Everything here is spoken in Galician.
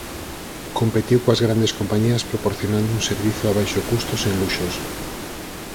Competiu coas grandes compañías proporcionando un servizo a baixo custo sen luxos.